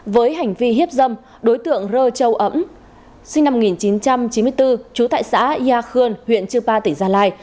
với hành vi hiếp dâm đối tượng rơ châu ẩm sinh năm một nghìn chín trăm chín mươi bốn trú tại xã yà khương huyện chư pa tỉnh gia lai